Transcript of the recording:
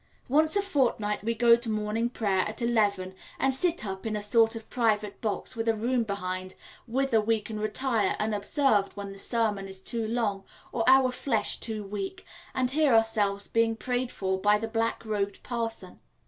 Once a fortnight we go to morning prayer at eleven and sit up in a sort of private box with a room behind, whither we can retire unobserved when the sermon is too long or our flesh too weak, and hear ourselves being prayed for by the blackrobed parson.